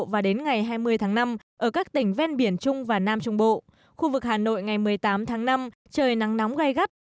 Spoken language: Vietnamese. và đến ngày hai mươi tháng năm ở các tỉnh ven biển trung và nam trung bộ khu vực hà nội ngày một mươi tám tháng năm trời nắng nóng gai gắt